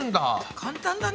簡単だね。